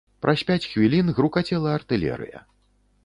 Праз пяць хвілін грукацела артылерыя.